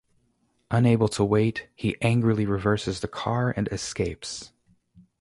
Unable to wait, he angrily reverses the car and escapes.